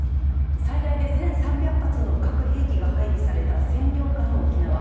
最大で１３００発の核兵器が配備された占領下の沖縄。